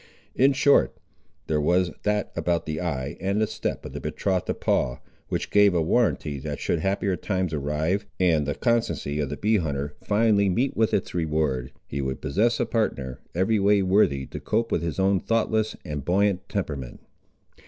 In short, there was that about the eye and step of the betrothed of Paul, which gave a warranty that should happier times arrive, and the constancy of the bee hunter finally meet with its reward, he would possess a partner every way worthy to cope with his own thoughtless and buoyant temperament.